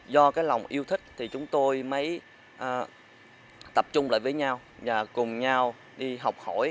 do cái lòng yêu thích thì chúng tôi mới tập trung lại với nhau và cùng nhau đi học hỏi